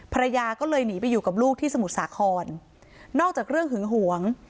ภรรยาก็เลยหนีไปอยู่กับลูกที่สมุทรสาครนอกจากเรื่องหึงหวง